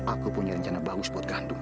aku punya rencana bagus buat gandum